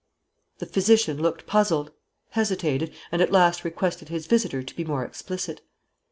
The physician looked puzzled, hesitated, and at last requested his visitor to be more explicit.